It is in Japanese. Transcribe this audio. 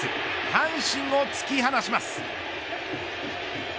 阪神を突き放します。